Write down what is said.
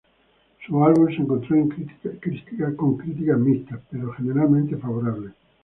Su álbum se encontró con críticas mixtas, pero generalmente favorables.